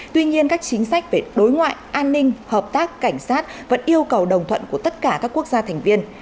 tuy nhiên các chính sách về đối ngoại an ninh hợp tác cảnh sát vẫn yêu cầu đồng thuận của tất cả các quốc gia thành viên